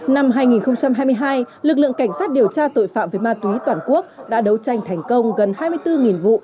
năm hai nghìn hai mươi hai lực lượng cảnh sát điều tra tội phạm về ma túy toàn quốc đã đấu tranh thành công gần hai mươi bốn vụ